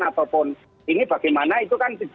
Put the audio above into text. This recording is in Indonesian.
ataupun ini bagaimana itu kan